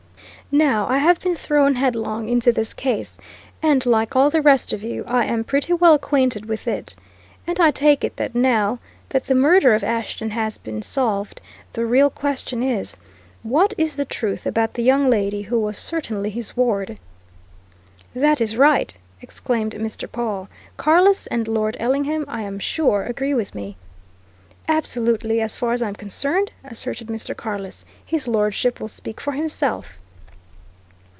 Now, I have been thrown headlong into this case, and like all the rest of you, I am pretty well acquainted with it. And I take it that now that the murder of Ashton has been solved, the real question is what is the truth about the young lady who was certainly his ward?" "That is right!" exclaimed Mr. Pawle. "Carless and Lord Ellingham I am sure, agree with me." "Absolutely as far as I'm concerned," asserted Mr. Carless. "His Lordship will speak for himself."